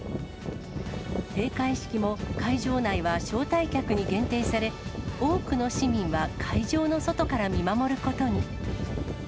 閉会式も、会場内は招待客に限定され、多くの市民は会場の外から見守ることに。